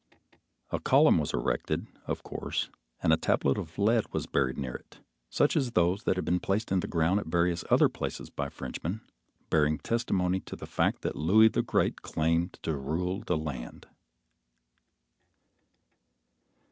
A column was erected, of course, and a tablet of lead was buried near it, such as those that had been placed in the ground at various other places by Frenchmen, bearing testimony to the fact that Louis the Great claimed to rule the land.